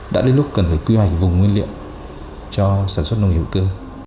đã đến lúc cần phải quy hoạch vùng nguyên liệu cho sản xuất nông nghiệp hữu cơ